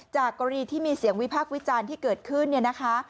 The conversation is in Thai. จากกรณีที่มีเสียงวิพากษ์วิจารณ์ที่เกิดขึ้นเนี่ยนะคะ